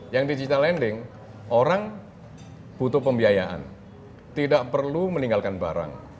yang digital lending orang butuh pembiayaan tidak perlu meninggalkan barang